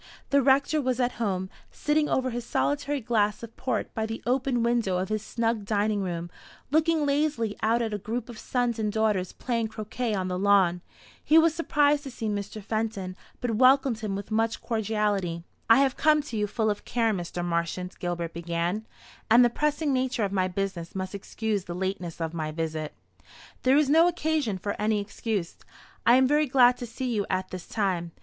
The Rector was at home, sitting over his solitary glass of port by the open window of his snug dining room, looking lazily out at a group of sons and daughters playing croquet on the lawn. He was surprised to see Mr. Fenton, but welcomed him with much cordiality. "I have come to you full of care, Mr. Marchant," Gilbert began; "and the pressing nature of my business must excuse the lateness of my visit." "There is no occasion for any excuse. I am very glad to see you at this time.